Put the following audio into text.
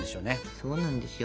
そうなんですよ。